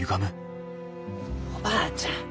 おばあちゃん